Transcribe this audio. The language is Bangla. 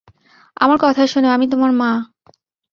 আমার কথা শোনো আমি তোমার মা।